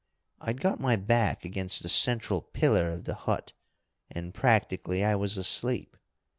I'd got my back against the central pillar of the hut, and, practically, I was asleep.